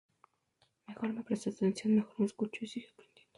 Mejor me presto atención, mejor me escucho y sigo aprendiendo.